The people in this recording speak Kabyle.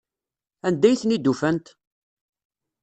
Anda ay ten-id-ufant?